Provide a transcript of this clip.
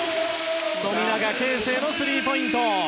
富永啓生のスリーポイント！